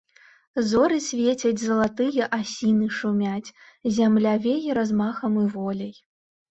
Зоры свецяць, залатыя асіны шумяць, зямля вее размахам і воляй.